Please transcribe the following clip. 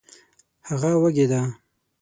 هغه وږې ده